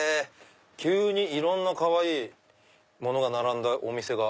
急にいろんなかわいいものが並んだお店が。